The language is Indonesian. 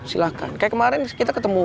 silahkan kayak kemarin kita ketemu